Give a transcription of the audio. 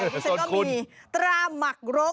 ที่ฉันก็มีตราหมักรก